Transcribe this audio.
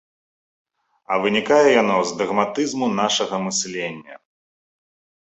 А вынікае яно з дагматызму нашага мыслення.